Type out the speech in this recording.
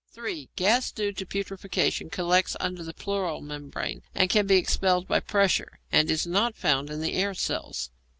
(3) Gas due to putrefaction collects under the pleural membrane, and can be expelled by pressure, and is not found in the air cells.